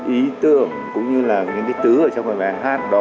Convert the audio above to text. ý tưởng cũng như là những cái tứ ở trong bài hát